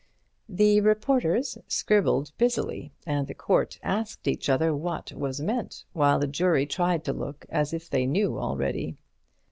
The reporters scribbled busily, and the court asked each other what was meant, while the jury tried to look as if they knew already.